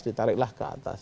ditariklah ke atas